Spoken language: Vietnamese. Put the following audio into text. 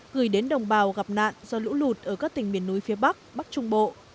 gửi đến đồng bào gặp nạn do lũ lụt ở các tỉnh miền núi phía bắc bắc trung bộ